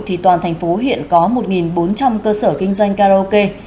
thì toàn thành phố hiện có một bốn trăm linh cơ sở kinh doanh karaoke